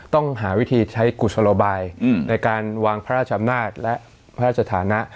ต้องหาวิธีใช้กุศโลบายในการวางพระราชอำนาจและพระราชฐานะ